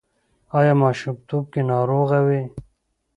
ایا ماشومتوب کې ناروغه وئ؟